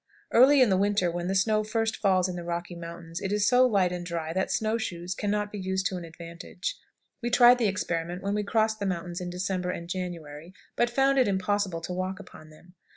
Early in the winter, when the snow first falls in the Rocky Mountains, it is so light and dry that snow shoes can not be used to advantage. We tried the experiment when we crossed the mountains in December and January, but found it impossible to walk upon them.